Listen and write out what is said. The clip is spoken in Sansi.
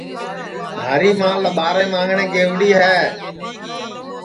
مھاری ماں لٻارے مانگٹؔیں گئوڑی ہے